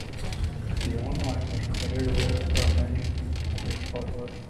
Yoon Im was executed, as were many of his followers.